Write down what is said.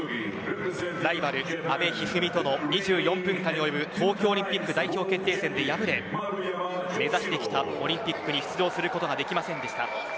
ライバル阿部一二三との２４分間に及ぶ東京オリンピック代表決定戦で敗れ目指してきたオリンピックに出場することができませんでした。